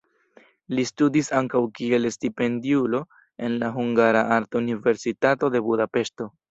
Li studis ankaŭ kiel stipendiulo en la Hungara Arta Universitato de Budapeŝto.